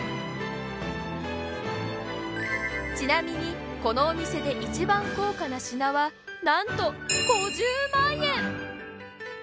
ちなみにこのお店で一番高価な品はなんと５０万円！